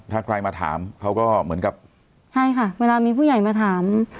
ถ้าใครมาถามเขาก็เหมือนกับใช่ค่ะเวลามีผู้ใหญ่มาถาม